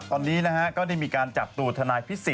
ตอนนี้ก็ได้มีการจับตู่ทนายภิษฐ์